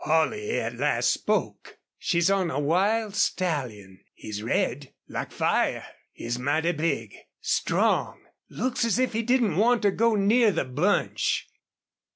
Holley at last spoke: "She's up on a wild stallion. He's red, like fire. He's mighty big strong. Looks as if he didn't want to go near the bunch.